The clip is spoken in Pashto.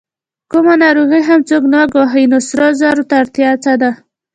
کومه ناروغي هم څوک نه ګواښي، نو سرو زرو ته اړتیا څه ده؟